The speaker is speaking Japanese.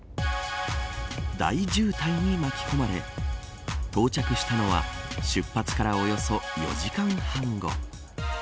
大渋滞に巻き込まれ到着したのは出発からおよそ４時間半後。